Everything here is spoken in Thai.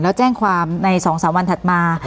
แล้วแจ้งความใน๒๓วันถัดมา